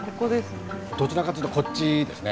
どちらかと言うとこっちですね。